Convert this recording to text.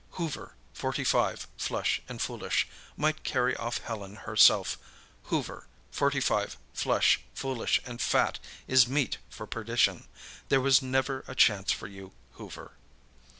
Hoover, forty five, flush and foolish, might carry off Helen herself; Hoover, forty five, flush, foolish and fat is meat for perdition. There was never a chance for you, Hoover.